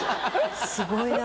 すごいな。